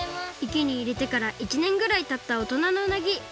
池にいれてから１ねんぐらいたったおとなのうなぎ。